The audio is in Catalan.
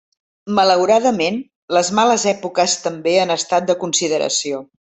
Malauradament, les males èpoques també han estat de consideració.